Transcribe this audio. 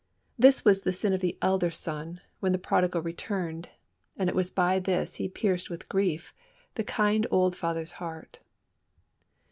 This was the sin of the elder son when the prodigal returned, and it was by this he pierced with grief the kind old father's heart.